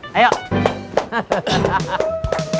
terima kasih pak